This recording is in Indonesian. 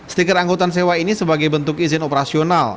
stiker angkutan sewa ini sebagai bentuk izin operasional